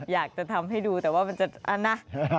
อยากจะทำให้ดูแต่ว่ามันจะนะ